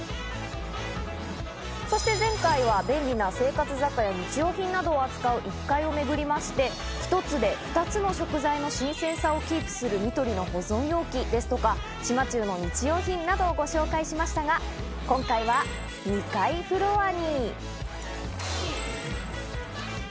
そして前回は便利な生活雑貨や日用品などを扱う１階をめぐりまして、一つで２つの食材の新鮮さをキープするニトリの保存容器ですとか島忠の日用品などをご紹介しましたが、今回は２階フロアに。